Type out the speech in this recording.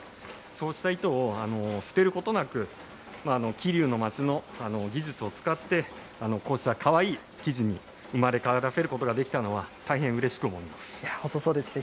そうした糸を捨てることなく、桐生の町の技術を使って、こうしたかわいい生地に生まれ変わらせることができたのは、大変いやー、本当、そうですね。